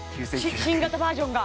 新型バージョンが？